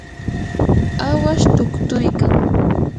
awash tuktuykan.